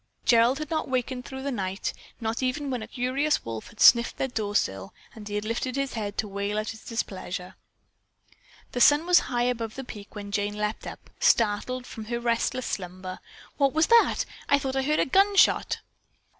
Gerald had not wakened through the night, not even when a curious wolf had sniffed at their doorsill and had then lifted his head to wail out his displeasure. The sun was high above the peak when Jane leaped up, startled, from her restless slumber. "What was that? I thought I heard a gun shot."